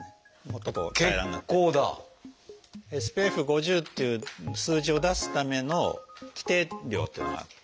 「ＳＰＦ５０」っていう数字を出すための規定量っていうのがあって。